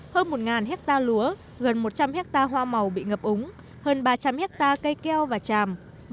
hơn một hectare lúa gần một trăm linh hectare hoa màu bị ngập úng hơn ba trăm linh hectare cây keo và tràm